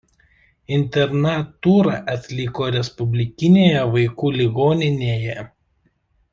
Internatūrą atliko Respublikinėje vaikų ligoninėje.